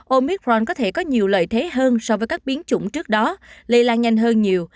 omicron có thể có nhiều lợi thế hơn so với các biến chủng trước đó lây lan nhanh hơn nhiều